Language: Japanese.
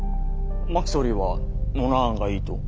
「真木総理はノナ案がいいと？」。